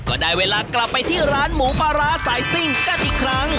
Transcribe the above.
ก็ได้เวลากลับไปที่ร้านหมูปลาร้าสายซิ่งกันอีกครั้ง